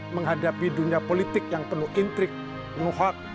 menghadapi dunia politik yang penuh intrik penuh hak